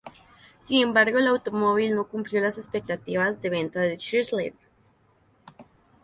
Sin embargo el automóvil no cumplió las expectativas de ventas de Chrysler.